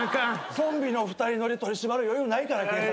ゾンビの２人乗り取り締まる余裕ないから警察。